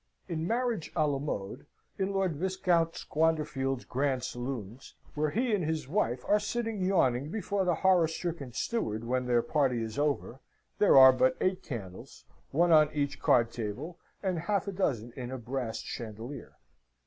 In "Marriage a la Mode," in Lord Viscount Squanderfield's grand saloons, where he and his wife are sitting yawning before the horror stricken steward when their party is over there are but eight candles one on each card table, and half a dozen in a brass chandelier.